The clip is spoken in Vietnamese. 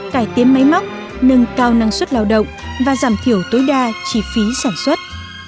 cải tiến máy móc nâng cao năng suất lao động và giảm thiểu tối đa chi phí sản xuất